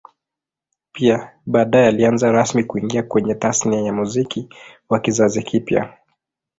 Pia baadae alianza rasmi kuingia kwenye Tasnia ya Muziki wa kizazi kipya